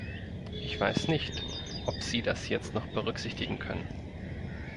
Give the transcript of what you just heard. Ich weiß nicht, ob Sie das jetzt noch berücksichtigen können.